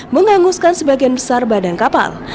menghanguskan sebagian besar badan kapal